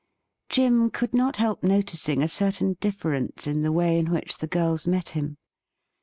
Jim could not help noticing a certain difference in the way in which the girls met him.